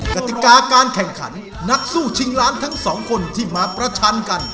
กติกาการแข่งขันนักสู้ชิงล้านทั้งสองคนที่มาประชันกัน